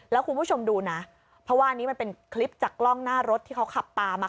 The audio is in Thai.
แล้วคุณผู้ชมดูนะเพราะว่าอันนี้มันเป็นคลิปจากกล้องหน้ารถที่เขาขับตามมา